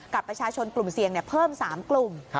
กับประชาชนกลุ่มเสี่ยงเพิ่ม๓กลุ่ม